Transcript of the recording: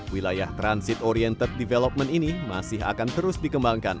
wilayah transit oriented development ini masih akan terus dikembangkan